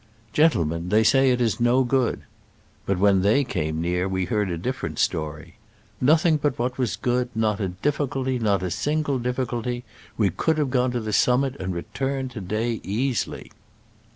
"Gentlemen, they say it is no good. But when they came near we heard a different story :Nothing but what was good — not a difficulty, not a single diffi culty ! We could have gone to the sum mil and returned to day easily